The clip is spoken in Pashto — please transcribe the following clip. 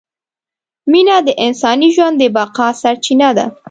مینه د انساني ژوند د بقاء سرچینه ده!